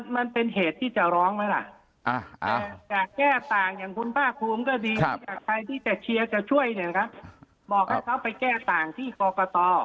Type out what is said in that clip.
มันเป็นเหตุที่จะร้องไหมล่ะการแก้ต่างอย่างคุณบ้ากภูมิก็ดีใครที่จะเชียร์ก็ช่วยบอกให้เขาไปแก้ต่างที่คอกต่อ